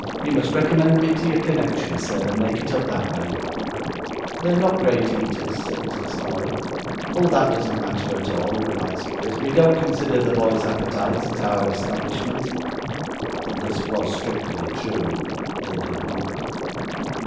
You must recommend me to your connection, sir, and make it up that way.' 'They are not great eaters,' said Mr. Snawley. 'Oh! that doesn't matter at all,' replied Squeers. 'We don't consider the boys' appetites at our establishment.' This was strictly true; they did not.